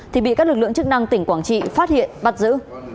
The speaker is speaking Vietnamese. thì bị các lực lượng chức năng tỉnh quảng trị phát hiện bắt giữ